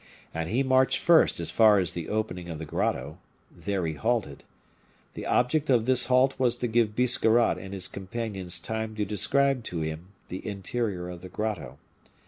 And he marched first as far as the opening of the grotto. There he halted. The object of this halt was to give Biscarrat and his companions time to describe to him the interior of the grotto.